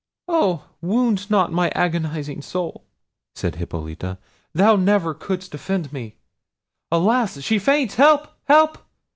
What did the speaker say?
"Oh! wound not my agonising soul!" said Hippolita; "thou never couldst offend me—Alas! she faints! help! help!"